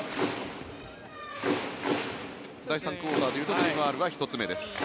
第３クオーターでいうとチームファウルは１つ目です。